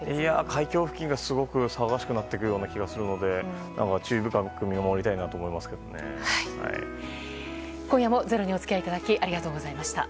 海峡付近がすごく騒がしくなってくる気がするので注意深く見守りたいなと今夜も「ｚｅｒｏ」にお付き合いいただきありがとうございました。